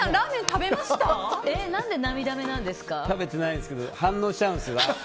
食べてないですけど反応しちゃうんですよ